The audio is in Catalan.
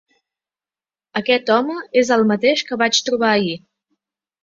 Aquest home és el mateix que vaig trobar ahir.